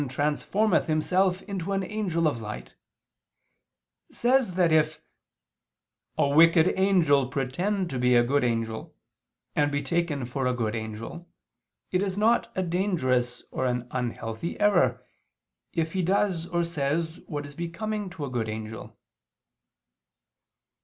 transformeth himself into an angel of light," says that if "a wicked angel pretend to be a good angel, and be taken for a good angel, it is not a dangerous or an unhealthy error, if he does or says what is becoming to a good angel."